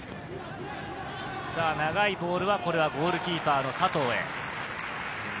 長いボールはゴールキーパーの佐藤へ。